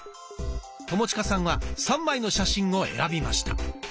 友近さんは３枚の写真を選びました。